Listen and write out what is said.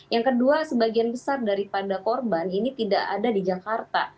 yang kedua sebagian besar daripada korban ini tidak ada di jakarta